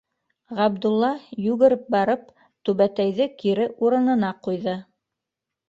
Ғабдулла йүгереп, барып түбәтәйҙе кире урынына ҡуйҙы.